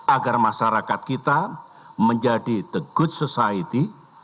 agar masyarakat kita menjadi the good society